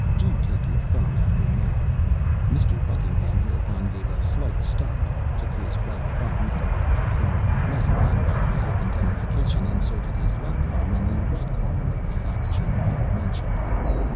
Do take your thumb out of your mouth!" Mr. Buckingham, hereupon, gave a slight start, took his right thumb out of the left corner of his mouth, and, by way of indemnification inserted his left thumb in the right corner of the aperture above mentioned.